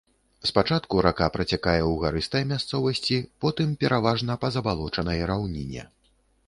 Спачатку рака працякае ў гарыстай мясцовасці, потым пераважна па забалочанай раўніне.